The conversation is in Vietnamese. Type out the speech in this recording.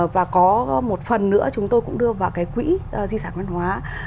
và có một phần nữa chúng tôi cũng đưa vào cái quỹ di sản văn hóa